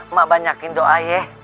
emak banyakin doa ya